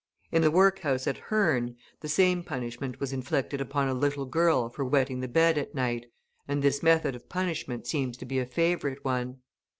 In the workhouse at Herne, the same punishment was inflicted upon a little girl for wetting the bed at night, and this method of punishment seems to be a favourite one.